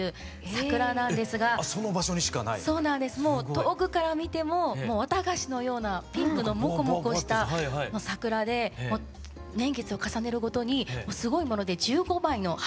遠くから見ても綿菓子のようなピンクのモコモコした桜で年月を重ねるごとにすごいもので１５枚の花びらを。